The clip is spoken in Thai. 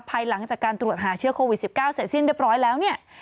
ภายหลังจากการตรวจหาเชื้อโควิด๑๙เสร็จสิ้นเรียบร้อยแล้วเนี่ย